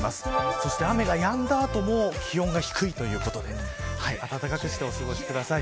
そして雨がやんだ後も気温が低いということで暖かくしてお過ごしください。